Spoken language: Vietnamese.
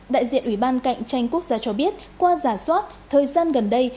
đại diện ủy ban cạnh tranh quốc gia cho biết qua giả soát thời gian gần đây